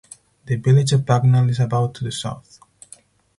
The village of Bagnall is about to the south.